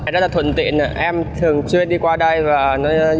rất là thuận tiện em thường xuyên đi qua đây và nó giúp em rất là nhiều